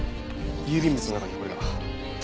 郵便物の中にこれが。